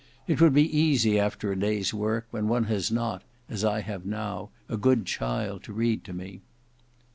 It would be easy after a day's work, when one has not, as I have now, a good child to read to me."